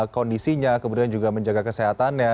kondisinya kemudian juga menjaga kesehatannya